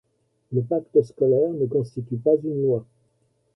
Le Pacte scolaire ne constitue pas une loi.